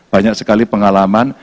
banyak sekali pengalaman